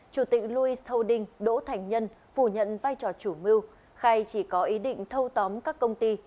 chủ tịch louis holding đỗ thành nhân phủ nhận vai trò chủ mưu khai chỉ có ý định thâu tóm các công ty